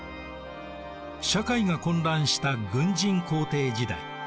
社会が混乱した軍人皇帝時代。